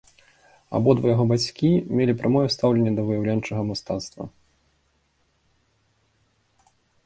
Абодва яго бацькі мелі прамое стаўленне да выяўленчаму мастацтву.